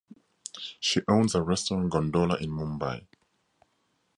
She owns a restaurant "Gondola" in Mumbai.